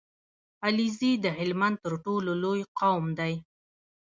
عليزی د هلمند تر ټولو لوی قوم دی